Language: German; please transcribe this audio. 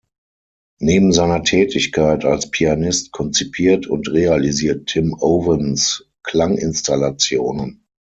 Neben seiner Tätigkeit als Pianist konzipiert und realisiert Tim Ovens Klanginstallationen.